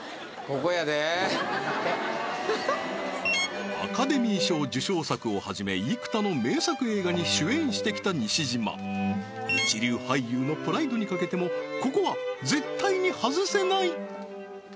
こやでアカデミー賞受賞作をはじめ幾多の名作映画に主演してきた西島一流俳優のプライドに懸けてもここは絶対に外せない